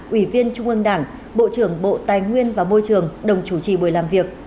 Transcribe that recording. ủy viên trung ương đảng bộ trưởng bộ tài nguyên và môi trường đồng chủ trì buổi làm việc